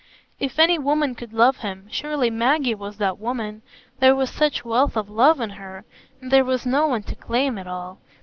If any woman could love him, surely Maggie was that woman; there was such wealth of love in her, and there was no one to claim it all.